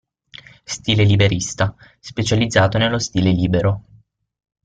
Stile liberista: Specializzato nello stile libero.